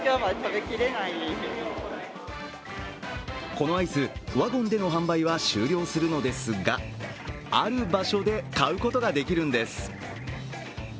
このアイス、ワゴンでの販売は終了するのですが、ある場所で買うことができるんです。